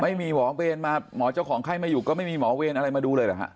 ไม่มีหมอเวรมาหมอเจ้าของไข้ไม่อยู่ก็ไม่มีหมอเวรอะไรมาดูเลยเหรอฮะ